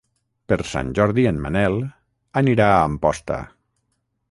Per Sant Jordi en Manel anirà a Amposta.